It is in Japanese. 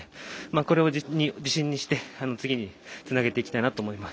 これを自信にして次につなげていきたいなと思います。